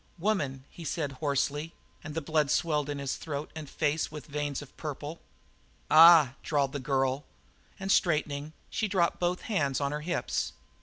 "Woman," he said hoarsely, and the blood swelled his throat and face with veins of purple. "Ah h h," drawled the girl, and straightening, she dropped both hands on her hips.